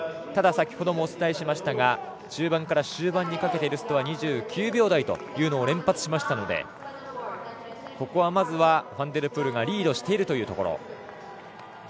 ただ、先ほどもお伝えしましたが中盤から終盤にかけてルストは２８秒から２９秒台というのを連発しましたのでここはまずはファンデルプールがリードしているというところ。